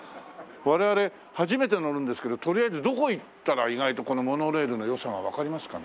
我々初めて乗るんですけどとりあえずどこに行ったら意外とこのモノレールの良さがわかりますかね？